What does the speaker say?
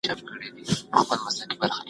حسد، کبر او حرص.